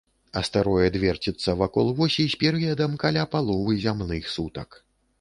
Астэроід верціцца вакол восі з перыядам каля паловы зямных сутак.